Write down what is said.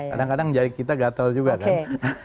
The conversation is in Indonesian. kadang kadang jari kita gatel juga kan